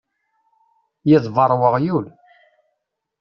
Yeḍbeṛ weɣyul.